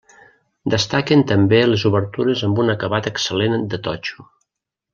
Destaquen també les obertures amb un acabat excel·lent de totxo.